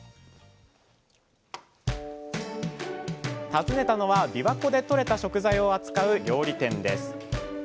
訪ねたのはびわ湖でとれた食材を扱う料理店です